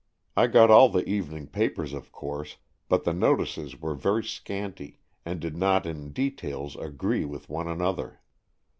I got all the evening papers, of course, but the notices were very scanty, and did not in details agree with one another.